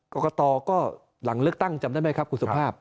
กรกตก็หลังเลือกตั้งจำได้ไหมครับคุณสุภาพ